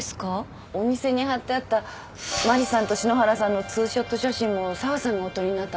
お店にはってあったマリさんと篠原さんの２ショット写真も沢さんがお撮りになったんですって。